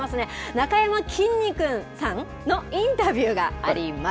なかやまきんに君さんのインタビューがあります。